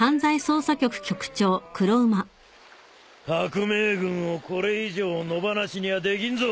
革命軍をこれ以上野放しにはできんぞ。